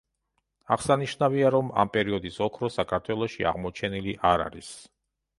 აღსანიშნავია რომ ამ პერიოდის ოქრო საქართველოში აღმოჩენილი არ არის.